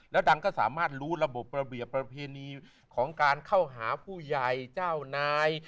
แล้วดังก็สามารถรู้ระบบระเบียบประเพณีของการเข้าหาผู้ใหญ่เจ้านาย